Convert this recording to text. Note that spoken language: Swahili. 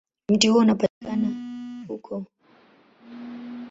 Mti huo unapatikana huko Andes, Amerika ya Kusini, Indonesia, na Kongo.